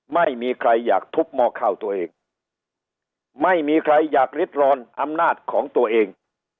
ไม่มีใครอยากทุบหม้อข้าวตัวเองไม่มีใครอยากริดรอนอำนาจของตัวเอง